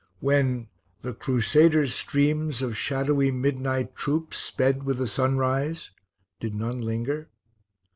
When "the Crusaders' streams of shadowy midnight troops sped with the sunrise," did none linger?